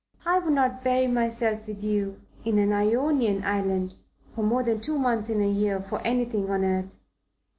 "I would not bury myself with you in an Ionian island for more than two months in a year for anything on earth.